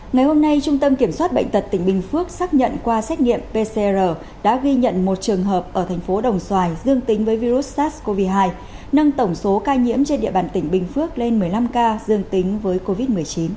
ngày hôm nay trung tâm kiểm soát bệnh tật tỉnh bình phước xác nhận qua xét nghiệm pcr đã ghi nhận một trường hợp ở thành phố đồng xoài dương tính với virus sars cov hai nâng tổng số ca nhiễm trên địa bàn tỉnh bình phước lên một mươi năm ca dương tính với covid một mươi chín